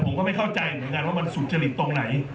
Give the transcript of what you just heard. ผมก็ไม่เข้าใจเหมือนกันว่ามันสุจริตตรงไหน